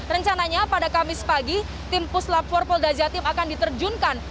rencananya pada kamis pagi tim puslap empat polda jatim akan diterjunkan